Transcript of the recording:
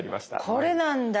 これなんだ。